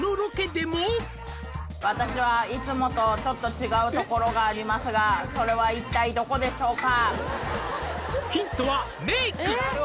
私はいつもとちょっと違うところがありますがそれは一体どこでしょうか？